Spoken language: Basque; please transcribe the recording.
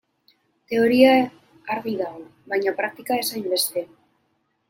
Teoria argi dago, baina praktika ez hainbeste.